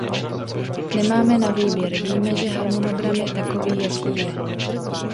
Nemáme na výběr; víme, že harmonogram je takový, jaký je.